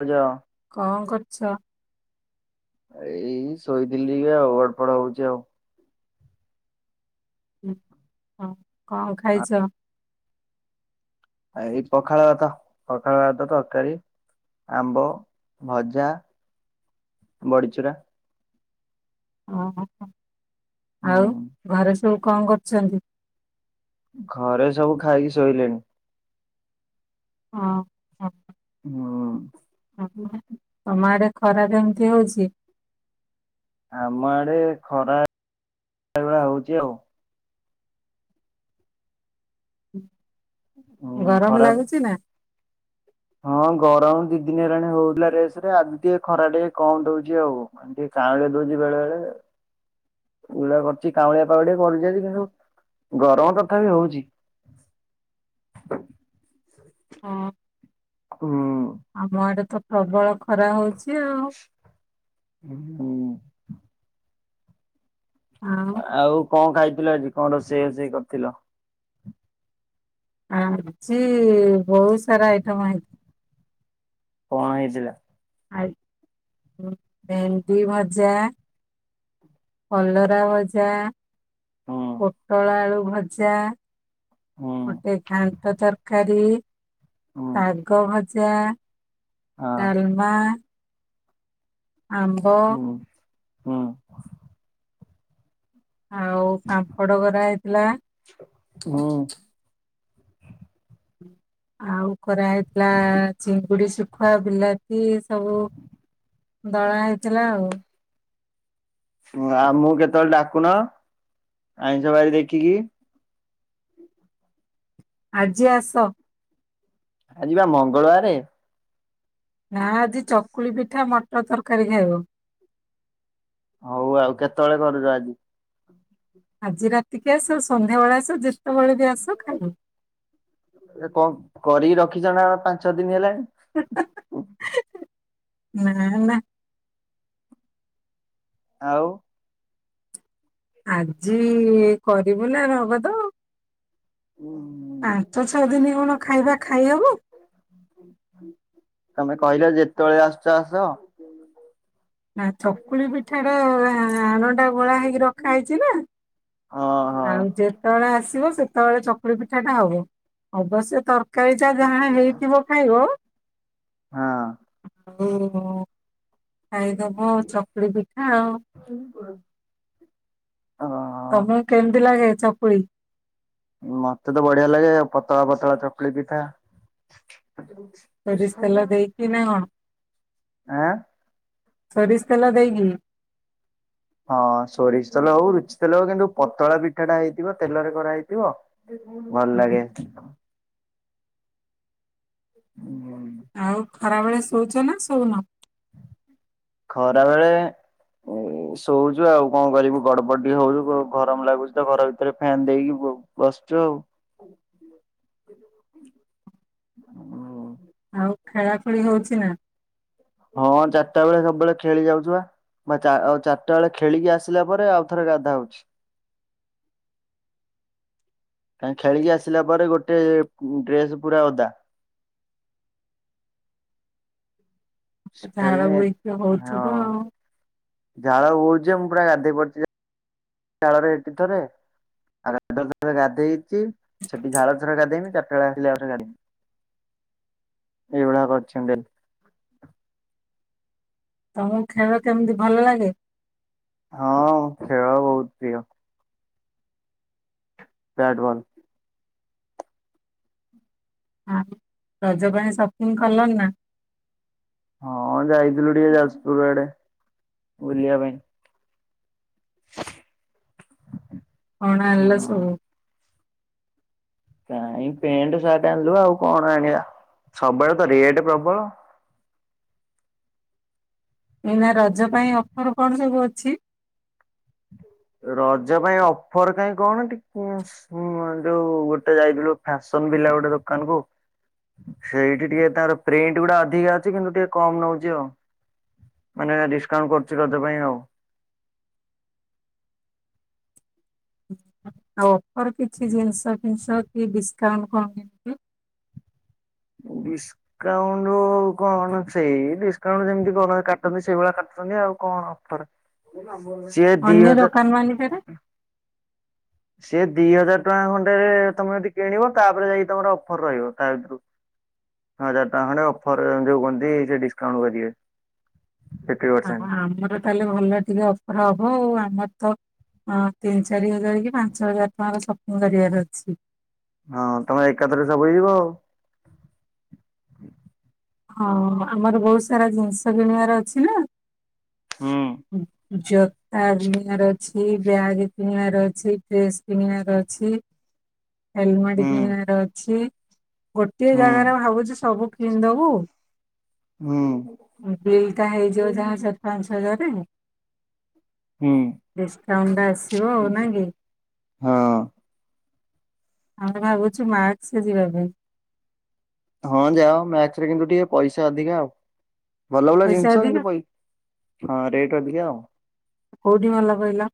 ହଁ। କଣ କରୁଚ? ଏଇ ଶୋଇଥିଲି ଆଉ, ଗଡପଡ ହୋଉଚି ଆଉ। ହଁ କଣ ଖାଇଚ? ଏଇ ପଖାଳ ଭାତ ପଖାଳ ଭାତ ତରକାରୀ। ଆମ୍ବ, ଭଜା, ବଡିଚୁରା। ଆଉ ହୁଁ ଘରେ ସବୁ କଣ କରୁଛନ୍ତି? ଘରେ ସବୁ ଖାଇକି ଶୋଇଲେଣି। ହଁ ହଁ। ହଁ। ତମ ଆଡ଼େ ଖରା ଏମିତି ଅଛି। ଆମ ଆଡେ ଖରା ସେ ଭଳିଆ ହଉଚି ଆଉ। ହୁଁ ଗରମ ଖରା ଲାଗୁଚି ନା। ହଁ ଗରମ ଦି ଦିନ ହେଲାଣି ହଉଥିଲା ରେସ ରେ ଆଜି ଟିକେ ଖରା ଟିକେ କମ ଦଉଚି ଆଉ। ଟିକେ କାଉଁଳେଇ ଦଉଚି ବେଳେ ବେଳେ ଉଭଳିଆ କରୁଚି କାଉଁଳିଆ ପାଗ ଟିକେ କରିଚି ଆଜି ହଁ କିନ୍ତୁ ଗରମ ତଥାପି ହୋଉଚି। ହଁ। ହୁଁ। ଆମ ଆଡେ ତ ପ୍ରବଳ ଖରା ହଉଚି ଆଉ। ଉଁ ହୁଁ। ଆଉ ଆଉ କଣ ଖାଇଥିଲ ଆଜି କଣ ରୋଷେଇ ବାସେଇ କରିଥିଲ। ଆଜି ବହୁତ ସାରା ଆଇଟମ୍ ହେଇ କଣ ହେଇଥିଲା। ଆ ଉଁ ଭେଣ୍ଡି ଭଜା। କଲରା ଭଜା ହୁଁ ପୋଟଳ ଆଳୁ ଭଜା। ହୁଁ ଗୋଟେ ଘାଣ୍ଟ ତରକାରୀ ହୁଁ ଶାଗ ଭଜା। ହଁ ତାଲମା। ଆମ୍ବ। ହୁଁ ହୁଁ ଆଉ ପାମ୍ପଡ କରା ହେଇଥିଲା। ହଁ। ଆଉ କରା ହେଇଥିଲା ଚିଙ୍ଗୁଡି ସୁ ଖୁଆ ବିଲାତି ଏ ସବୁ ଦଳା ହେଇଥିଲା ଆଉ। ଉଁ ଆମୁକୁ କେତେବେଳେ ଡାକୁନ ଆଇଁଷ ବାରି ଦେଖିକି। ଆଜି ଆସ। ଆଜି ବା ମଙ୍ଗଳବାରେ। ନା ଆଜି ଚକୁଳି ପିଠା ମଟର ତରକାରୀ ଖାଇବ। ହଉ ଆଉ କେତେବେଳେ କରୁଚ ଆଜି। ଆଜି ରାତିକି ଆସ ସନ୍ଧ୍ୟା ବେଳେ ଆସ ଯେତେବେେଳେ ବି ଆସ ଖାଇବ। ଏ କ କରିକି ରଖିଚ ନା ପାଞ୍ଚ ଦିନ ହେଲାଣି। ନା ନା। ଆଉ। ଆଜି କରିବୁ ନା ନଗଦ। ପାଞ୍ଚ ଛଅ ଦିନ କଣ ଖାଇବା ଖାଇ ହବ। ତମେ କହିଲ ଯେତେବେଳେ ଆସୁଛ ଆସ। ନା ଚକୁଳି ପିଠା ର ଆଣ ଗୋଳା ହେଇକି ରଖା ହେଇଛି ନା। ଅ ହଁ। ଆ ଯେତେବେଳେ ଆସିବ ସେତେବେଳେ ଚକୁଳି ପିଠା ଟା ହବ ଅବଶ୍ୟ ତର କାରି ଟା ଯାହା ହେଇଥିବ ଖାଇବ। ହଁ। ଆଉ ଖାଇଦବ ଚକୁଳି ପିଠା ଆଉ। [inaudible] ହଁ ତମକୁ କେମିତି ଲାଗେ ଚକୁୁଳି। ମତେ ତ ବଢିଆ ଲାଗେ ପତଳା ପତଳା ଚକୁଳି ପିଠା। ସୋରିଷ ତେଲ ଦେଇକି ନା କଣ ଆଁ ସୋରିଷ ତେଲ ଦେଇକି। ହଁ ସୋରିଷ ତେଲ ହଉ ରୁଚି ତେଲ ହଉ କିନ୍ତୁ ପତଳା ପିଠା ଟା ହେଇଥିବ ତେଲରେ କରା ହେଇଥିବ ଭଲ ହୁଁ। ଲାଗେ। ଉଁ। ଆଉ ଖରାବେଳେ ଶୋଉଚ ନା ଶୋଉନ। ଖରାବେଳେ ଏ ଶୋଉଚୁ ଆଉ କଣ କରିବୁ ଗଡ ବଡ ଟିକେ ହଉଛୁ ଗରମ ଲାଗୁଛି ତ ଘର ଭିତରେ ଫ୍ୟାନ ଦେଇକି ବ ଉ ବଶ୍ଚ ଆଉ। ହ। ଆଉ ଖେଳା ଖୁଳି ହଉଛି ନା। ହଁ ଚାରିଟା ବେଳେ ସବୁବେଳେ ଖେଳି ଯାଉଛ ବା। ବା ଚା ଅ ଚାରିଟା ବେଳେ ଖେଳିକି ଆସିଲା ପରେ ଆଉଥରେ ଗାଧା ହଉଛି। କାହିଁ ଖେଳିକି ଆସିଲା ପରେ ଗୋଟେ ଡ୍ରେସ ପୁରା ଓଦା। ଝାଳ ଖେଳିନି ବୋହିକି ହଉଥିବ ହଁ ଆଉ। ଝାଳ ବୋହୁଛି ଯେ ମୁଁ ପୁରା ଗାଧେଇ ପଡ଼ିଚି ଚାଳରେ ଏଠି ଥରେ [inaudible] ଗାଧେଇ ସେଠି ଝାଳରେ ଥରେ ଗାଧେଇବି ଚାରିଟା ବେଳେ ଆସିଲେ ଆଉ ଥରେ ଗାଧେଇ ଏଇ ଭଳିଆ କରିଛନ୍ତି। ତମକୁ ଖେଳ କେମିତି ଭଲ ଲାଗେ? ହଁ ଖେଳ ବହୁତ ପ୍ରିୟ। Bat ball. ରଜ ପାଇଁ ସପିଙ୍ଗ କଲଣି ନା? ହଁ ଯାଇଥିଲୁ ଟିକେ ଯାଜପୁର ଆଡେ ବୁଲିବା ପାଇଁ। [unintelligible] କଣ ଆଣିଲ ହଁ ସବୁ? କାଇଁ ପେଣ୍ଟ ସାର୍ଟ ଆଣିଲୁ ଆଉ କଣ ଆଣିବା ସବୁଆଡେ ତ ରେଟ୍ ପ୍ରବଳ। ଏଇନା ରଜ ପାଇଁ ଅଫର କଣ ସବୁ ଅଛି? ରଜ ପାଇଁ ଅଫର କାଇଁ କଣ [unintelligible] ହୁଁ ଯୋଉ ଗୋଟେ ଯାଇଥିଲୁ ଫ୍ୟାସନ ଭିଲା ଗୋଟେ ଦୋକାନ କୁ। ସେଇଠି ଟିକେ ତାର ପ୍ରିଣ୍ଟ ଗୁଡା ଅଧିକା ଅଛି କିନ୍ତୁ ଟିକେ କମ ନଉଛି ଆଉ। ମାନେ ଡିସକାଉଣ୍ଟ କରୁଛି ରଜ ପାଇଁ ଆଉ। ଆଉ ଅଫର କିଛି ଜିନିଷ ଫିନିଷ କି ଡିସକାଉଣ୍ଟ କଣ କିମିତି। ଡିସ୍କ ଡିସ୍‌କାଉଣ୍ଟ କଣ ସେଇ ଡିସକାଉଣ୍ଟ ଯେମତି ଯୋଉମାନେ କାଟନ୍ତି ସେଇଭଳିଆ କାଟୁଛନ୍ତି ଆଉ କଣ ସିଏ ଦି ହଜାର [unintelligible] ସେ ଦି ହଜାର ଟଙ୍କା ଖଣ୍ଡେରେ ତମେ ଯଦି କିଣିବ ତାପରେ ଯାଇକି ତମର ଅଫର ରହିବ ତା ଭିତରୁ। ହଜାର ଟଙ୍କା ଖଣ୍ଡେ ଅଫର ଯୋଉ କହନ୍ତି ସେ ଡିସକାଉଣ୍ଟ କରିିବେ। ହ ଆମର ତାହେଲେ ଭଲ ଟିକେ ଅଫର ହବ ଆଉ ଆମର ତ ଅଂ ତିନି ଚାରି ହଜାର କି ପାଞ୍ଚ ହଜାର ଟଙ୍କାର ସପିଙ୍ଗ କରିବାର ଅଛି। ହଁ ତମେ ଏକାଥରେ ସବୁ ହେଇଯିବ ଆଉ। ହଁ ଆମର ବହୁତ ସାରା ଜିନିଷ କିଣିବାର ଅଛି ନା। ହଁ। ଜୋତା କିଣିବାର ଅଛି। କି ବ୍ୟାଗ୍ କିଣିବାର ଅଛି ଡ୍ରେସ୍ କିଣିବାର ଅଛି। ହେଲମେଟ୍ ହୁଁ କିଣିବାର ଅଛି ଗୋଟଏ ହୁଁ ଜାଗାରେ ମୁ ଭାବୁଛି ସବୁ କିଣି ଦବୁ। ହୁଁ। ବିଲ୍ ଟା ହେଇଯିବ ଯାହା ଚାର୍ ପାଞ୍ଚ ହଜାର। ହୁଁ। ଡିସକାଉଣ୍ଟଟା ଆସିବ ଆଉ ନା କି। ହଁ ଆମେ ଭାବୁଛୁ ମାସ୍କ ଯିବା ପାଇଁ। ହଁ ଯାଅ ମ୍ୟାକ୍ସ ରେ କିନ୍ତୁ ଟିକେ ପଇସା ଅଧିକା ଆଉ। ଭଲ ଭଲ ପଇସା ଜିନିଷ କିନ୍ତୁ ଅଧିକ ପଇ ହଁ ରେଟ୍ ଅଧିକା ଆଉ। କୋଉଠି ଭଲ କହିଲ?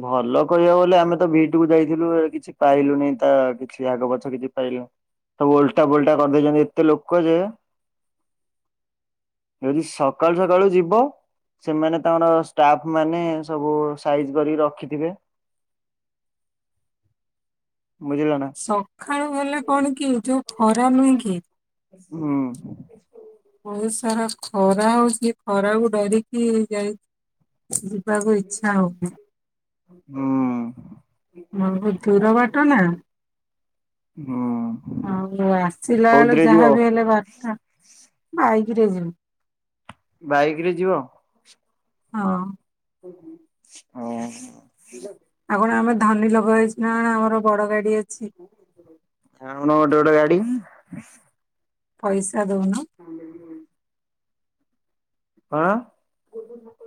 ଭଲ କହିବାକୁ ଗଲେ ଆମେ ତ ଭି ଟୁ କୁ ଯାଇଥିଲୁ କିଛି ପାଇଲୁନି ତା କିଛି ଆଗ ପଛ କିଛି ପାଇଲୁ ସବୁ ଓଲଟା ପୋଲଟା କରିଦେଇଛନ୍ତି ଏତେ ଲୋକ ଯେ ଯଦି ସକାଳୁ ସକାଳୁ ଯିବ ସେମାନେ ତାଙ୍କର ଷ୍ଟାପ ମାନେ ସବୁ ସାଇଜ କରି ରଖିଥିବେ, ବୁଝିଲ ନା। ସଖାଳୁ ଗଲେ କଣ କି, ଯୋଉ ଖରା ନୁହେଁ କି? ହୁଁ। ବହୁତ ସାରା ଖରା ହଉଛି, ଖରାକୁ ଡରିକି ଯାଇଛି। ହୁଁ। ବହୁତ ଦୂର ବାଟ ନା। ହୁଁ ଆଉ ଆସିଲା ବେଳୁ କୋଉଥିରେ ଯିବ? ଯାହାବି ହେଲେ ବାରଟା ବାଇକିରେ ଯିବି। ବାଇକ ରେ ଯିବ? ହଁ। ହଁ ହଁ। ଆଉ କଣ ଆମେ ଧନୀ ଲୋକ ହେଇଛୁ ନା କଣ ଆମର ବଡ ଗାଡି ଅଛି? ଆଣୁନ ଗୋଟେ ଗୋଟେ ଗାଡି। ପଇସା ଦଉନ? ହଁ ଯିବି। କଣ?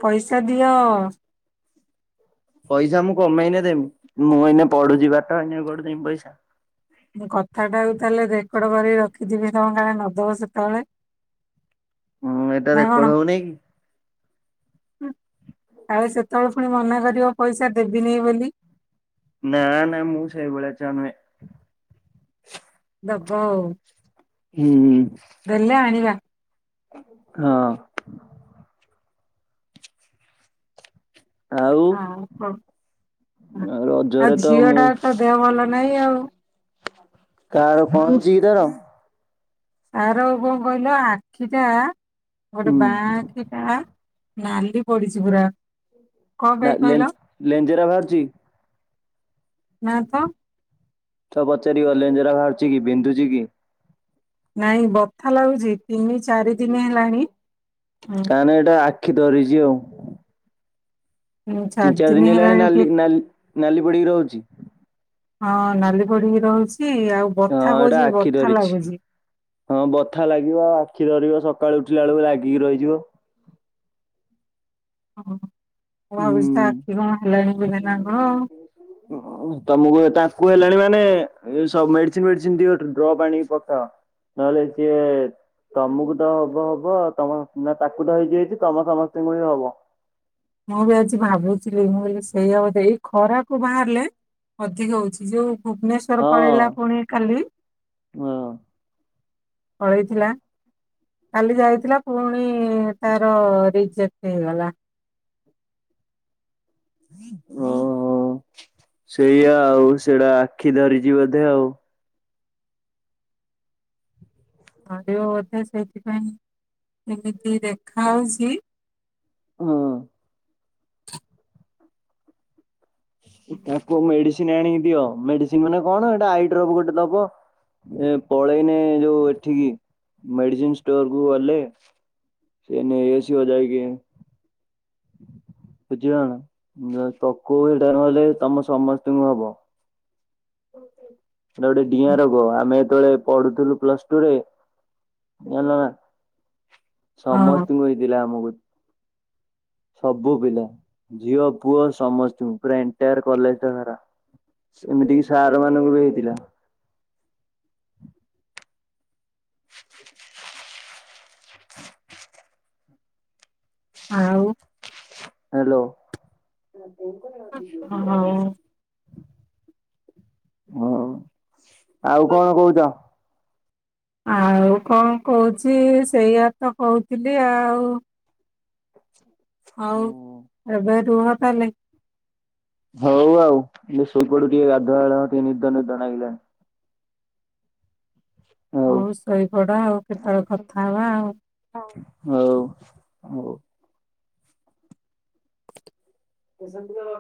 ପଇସା ଦିଅ। ପଇସା ମୁଁ କମେଇନେ ଦେମି, ମୁଁ ଏଇନ ପଢୁଛି ପାଠ ଏଇନେ କୁଆଡୁ ଦେବି ପଇସା? ମୁଁ କଥା ଟାକୁ ତାହେଲେ ରେକର୍ଡ କରିକି ରଖିଥିବି ତମେ କା ନଦବ ସେତେବେଳେ। ହଁ ଏଇଟା ନା ରେକର୍ଡ ହଉନି କି? ହୁଁ, କାଳେ ସେତେବେଳେ ପୁଣି ମନା କରିବ ପଇସା ଦେବିନି ବୋଲି। ନା ନା ମୁଁ ସେଇଭଳିଆ ଛୁଆ ନୁହେଁ। ଦବ ଆଉ। ହୁଁ। ଦେଲେ ଆଣିବା। ହଁ ଅଁ। ଆଉ ହଁ କଣ, ରଜରେ ଆଉ ତ ଝିଅ ଟା ତ ଦେହ ଭଲ ନାଇଁ ଆଉ। କାର ପଞ୍ଚିର? ଆର କଣ କହିଲ ଆଖିଟା, ଗୋଟେ ହୁଁ ବା ସେଟା ନାଲି ପଡିଛି ପୁରା। କଣ ନା ପାଇଁ ଲେ କହିଲ? ଲେଞ୍ଜେରା ବାହାରୁଛି ନା ତ। ତ ପଚାରି ଲେଞ୍ଜା ବାହାରୁଛି କି, ବିନ୍ଧୁଛି କି? ନାଇଁ ବଥା ଲାଗୁଛି, ତିନି ଚାରି ଦିନ ହେଲାଣି ତା ନେ ଏଇଟା ଆଖି ଧରିଛି ଆଉ। ତିନି ଚାରି ଦିନ ହେଲାଣି ନାଲି ନାଲି ପଡିକି ରହୁଛି। ହଁ ନାଲି ପଡିିକି ରହୁଛି, ଆଉ ହଁ ବଥା ଏଇଟା ହଉଛି, ଆଖି ବଥା ଧରିଛି ଲାଗୁଛି। ହଁ ବଥା ଲାଗିବ। ଆ ଆଖି ଧରିବ ସକାଳୁ ଉଠିଲା ବେଳକୁ ଲାଗିକି ରହିଯିବ। ମୁଁ ଭାବୁଛି ତା ହୁଁ। ଆଖି କଣ ହେଲାଣି ବୋଧେ ନା କଣ? ଓହୋ। ଓ ତମକୁ, ତାଙ୍କୁ ହେଲାଣି ମାନେ ସବୁ ମେଡିସିନ ଫେଡିସିନ ଦିଅ ଡ୍ରପ ଆଣିକ ପକାଅ। ନଲେ ସିଏ। ତମକୁ ତ ହବ ହବ, ତମ ନା ତାକୁ ତ ହେଇଛି ହେଇଛି ତମ ସମସ୍ତଙ୍କୁ ହି ହବ। ମୁଁ ବି ଆଜି ଭାବୁଥିଲି ମୁଁ କହିଲି ସେଇଆ ବୋଧେ। ଖରାକୁ ବାହାରିଲେ ଅଧିକ ହଉଛି, ଯୋଉ ଭୁବନେଶ୍ଵର ହଁ ପଳେଇଲା ପୁଣି କାଲି ହଁ ପଳେଇଥିଲା, କାଲି ଯାଇଥିଲା। ପୁଣି ତାର ରିଜେକ୍ଟ ହେଇଗଲା। ଓହୋ, ସେଇଆ ଆଉ ସେଇଟା ଆଖି ଧରିଛି ବୋଧେ ଆଉ। ଧରିବ ବୋଧେ ସେଇଥିପାଇଁ ଏମିତି ଦେଖା ହଉଛି। ହଁ ଅଁ। ତାକୁ ମେଡିସିନ ଆଣିକି ଦିଅ ମେଡିସିନ ମାନେ କଣ ଏଟା ଆଇ ଡ୍ରପ ଗୋଟେ ଦବ। ଏ ପଳେଇନେ ଯୋଉ ଏଠିକି ମେଡିସିନ ଷ୍ଟୋର କୁ ଗଲେ। କିଏ ନେଇ ଆସିବ ଯାଇକି। ବୁଝିିଲଣା ପକୋଉ ହେଟା ନହେଲେ ତମ ସମସ୍ତଙ୍କୁ ହବ। ଏଟା ଗୋଟେ ଡିଆଁ ରୋଗ ଆମେ ଯେତେବେଳେ ପଢୁଥିଲୁ ପ୍ଲସ୍ଟୁରେ ଯାଇଁଲନା। ହଁ ସମସ୍ତିଙ୍କୁ ହେଇଥିଲା ଆମକୁ। ସବୁ ପିଲା ଝିଅ ପୁଅ ସମସ୍ତଙ୍କୁ ପୁରା ଏଣ୍ଟାୟାର କଲେଜ ଟା ସାରା। ଏମିତି କିି ସାର୍ ମାନଙ୍କୁ ବି ହେଇଥିଲା। [inaudible] ଆଉ। ହ୍ୟାଲୋ। ହଉ ହଉ ଆଉ କଣ କହୁଚ। ଆଉ କଣ କହୁଚି ସେଇଆ ତ କହୁଥିଲି ଆଉ। [inaudible] ଆଉ ଏବେ ରୁହ ତାହାଲେ। ହଉ ଆଉ ମୁଁ ସୋଇପଡେ଼ ଟିକେ ଗାଧୁଆ [inaudible] ଟିକେ ନିଦ ନିଦ ଲାଗିଲା। ହଉ ସୋଇପଡ଼ ଆଉ କେତେବେଳେ କଥା ହବା ଆଉ। ହଉ। ହଉ। ସେ ସେମିତି କର।